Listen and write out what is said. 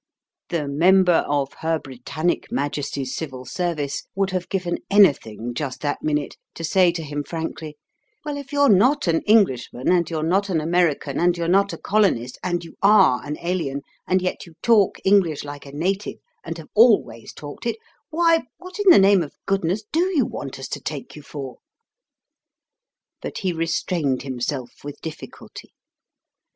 The member of Her Britannic Majesty's Civil Service would have given anything just that minute to say to him frankly, "Well, if you're not an Englishman, and you're not an American, and you're not a Colonist, and you ARE an Alien, and yet you talk English like a native, and have always talked it, why, what in the name of goodness do you want us to take you for?" But he restrained himself with difficulty.